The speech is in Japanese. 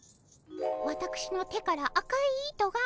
わたくしの手から赤い糸が。